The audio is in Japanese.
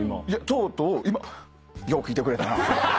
とうとう今よう聞いてくれたな。